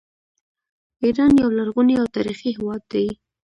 ایران یو لرغونی او تاریخي هیواد دی.